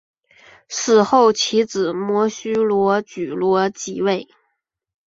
死后其子摩醯逻矩罗即位。